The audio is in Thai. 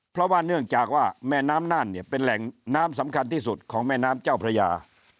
เพราะว่าเนื่องจากว่าแม่น้ำน่านเนี่ยเป็นแหล่งน้ำสำคัญที่สุดของแม่น้ำเจ้าพระยา